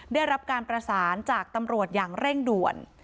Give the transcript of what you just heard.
ได้รับการประสานจากตำรวจอย่างเร่งด่วน